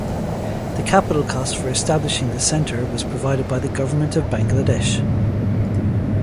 The capital cost for establishing the centre was provided by the Government of Bangladesh.